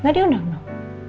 nggak diundang nuh